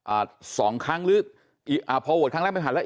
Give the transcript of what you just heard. อ่าสองครั้งหรืออ่าพอโหวตครั้งแรกไม่ผ่านแล้ว